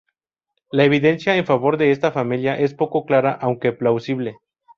La evidencia en favor de esta familia es poco clara aunque plausible.